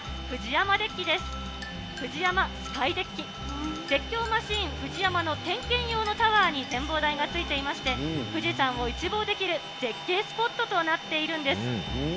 フジヤマスカイデッキ、絶叫マシン、フジヤマの点検用のタワーに展望台がついていまして、富士山を一望できる絶景スポットとなっているんです。